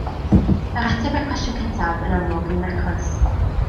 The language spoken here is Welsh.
Yr ateb i'r cwestiwn cyntaf yn amlwg yw nac oes.